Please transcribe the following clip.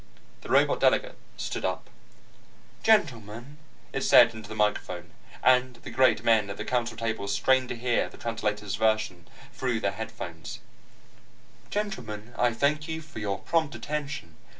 The robot delegate stood up. "Gentlemen," it said into the microphone, and the great men at the council tables strained to hear the translator's version through their headphones, "Gentlemen, I thank you for your prompt attention.